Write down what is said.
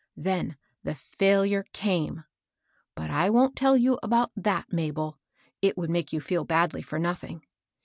Then the fail ure came. But I wont tell you about that^ Mabel ; it woulc make you feel badly for nothing.